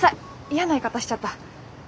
嫌な言い方しちゃった。